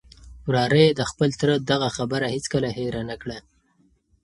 وراره یې د خپل تره دغه خبره هیڅکله هېره نه کړه.